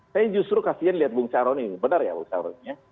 saya justru kasian lihat bung cah rony benar ya bung cah rony